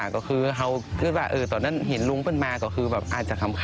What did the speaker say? ก็คือเขามีความคิดว่าตอนนั้นเห็นลุงคนมาก็อาจจะขำ